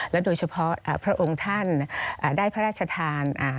โดยเฉพาะพระองค์ท่านได้พระราชทาน